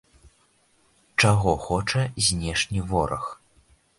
Чаго хоча знешні вораг?